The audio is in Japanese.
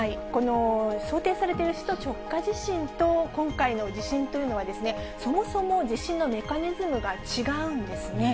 想定されている首都直下地震と、今回の地震というのは、そもそも地震のメカニズムが違うんですね。